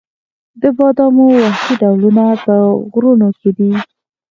د بادامو وحشي ډولونه په غرونو کې دي؟